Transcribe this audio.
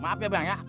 maaf ya bang ya